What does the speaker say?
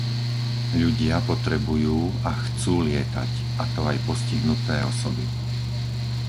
Ľudia potrebujú a chcú lietať, a to aj postihnuté osoby.